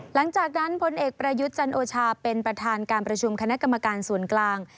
หลังจากนั้นพลเอกประยุทธ์จันโอชาเป็นประธานการประชุมคณะกรรมการส่วนกลาง